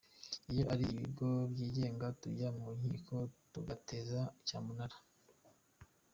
Iyo ari ibigo byigenga tujya mu nkiko tugateza cyamunara.